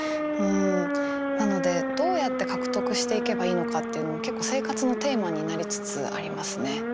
なのでどうやって獲得していけばいいのかっていうのも結構生活のテーマになりつつありますね。